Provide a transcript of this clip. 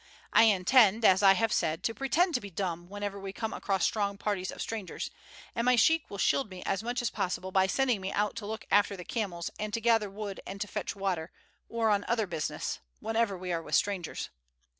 I intend, as I have said, to pretend to be dumb whenever we come across strong parties of strangers, and my sheik will shield me as much as possible by sending me out to look after the camels and to gather wood and to fetch water, or on other business, whenever we are with strangers.